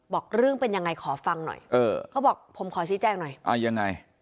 บอกเรื่องเป็นยังไงขอฟังหน่อยก็บอกผมขอชี้แจ้งหน่อย